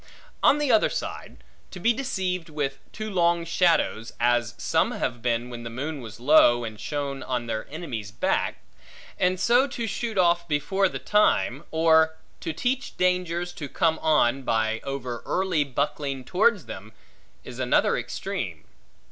On the other side, to be deceived with too long shadows (as some have been, when the moon was low, and shone on their enemies' back), and so to shoot off before the time; or to teach dangers to come on, by over early buckling towards them; is another extreme.